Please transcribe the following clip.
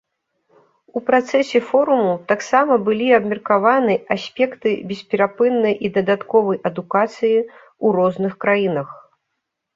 У працэсе форуму таксама былі абмеркаваны аспекты бесперапыннай і дадатковай адукацыі ў розных краінах.